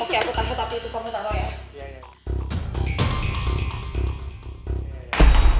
oke aku tau tapi kamu tau ya